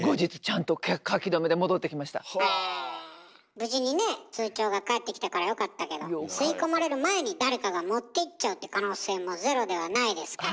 無事にね通帳が返ってきたからよかったけど吸い込まれる前に誰かが持っていっちゃうって可能性もゼロではないですから。